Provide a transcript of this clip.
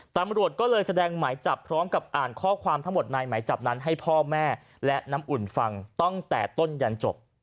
ตำรวจก็เลยแสดงหมายจับพร้อมกับอ่านข้อความทั้งหมดในหมายจับนั้นให้พ่อแม่และน้ำอุ่นฟังตั้งแต่ต้นยันจบ